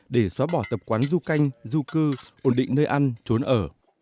để xóa bỏ tập quán du canh du cư ổn định nơi ăn trốn ở